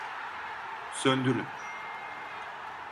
Söndürün!